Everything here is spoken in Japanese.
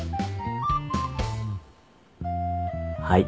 はい。